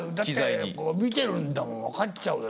だって見てるんだもん分かっちゃうよ